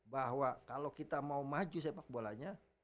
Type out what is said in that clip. bahwa kalau kita mau maju sepak bolanya